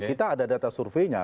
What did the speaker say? kita ada data surveinya